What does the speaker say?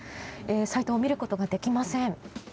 サイトを見ることができません。